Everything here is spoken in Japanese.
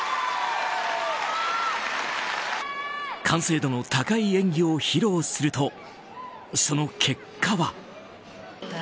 完成度の高い演技を披露するとその結果は。